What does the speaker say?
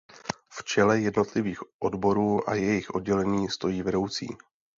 V čele jednotlivých odborů a jejich oddělení stojí vedoucí.